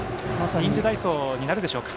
臨時代走になるでしょうか。